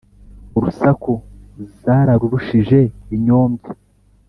urusaku zarurushije inyombya,